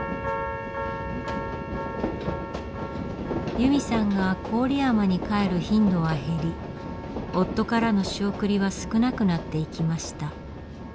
由美さんが郡山に帰る頻度は減り夫からの仕送りは少なくなっていきました。